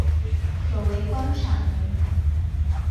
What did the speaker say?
可为观赏鱼。